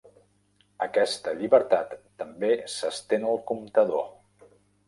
Aquesta llibertat també s'estén al comptador.